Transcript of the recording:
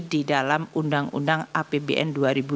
di dalam undang undang apbn dua ribu dua puluh